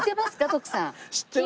徳さん。